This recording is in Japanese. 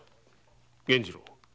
源次郎。